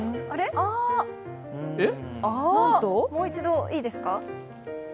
もう一度いいですか？